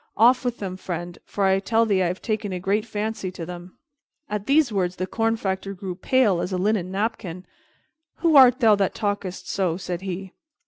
Off with them, friend, for I tell thee I have taken a great fancy to them." At these words the corn factor grew pale as a linen napkin. "Who art thou that talkest so?" said he.